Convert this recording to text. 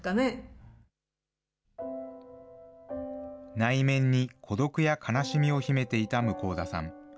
内面に孤独や悲しみを秘めていた向田さん。